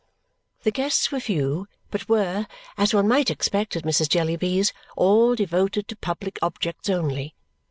The guests were few, but were, as one might expect at Mrs. Jellyby's, all devoted to public objects only.